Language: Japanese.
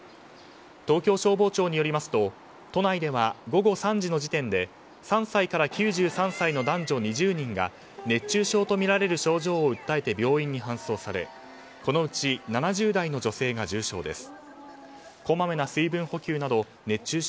東京消防庁によりますと都内では午後３時の時点で３歳から９３歳の男女２０人が熱中症とみられる症状を訴えて病院に搬送されこのうち７０代の女性が重症です。